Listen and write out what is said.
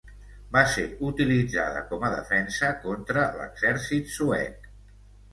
Va ser utilitzada com a defensa contra l'exèrcit suec.